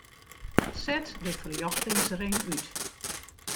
Set de ferljochtingsring út.